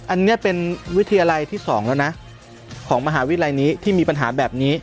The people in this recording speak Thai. อันนี้เป็นวิทยาลัยที่๒แล้วนะของมหาวิทยาลัยนี้ที่มีปัญหาแบบนี้